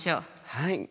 はい。